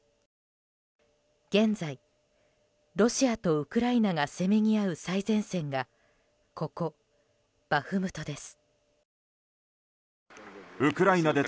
現在、ロシアとウクライナがせめぎ合う最前線がここ、バフムトです。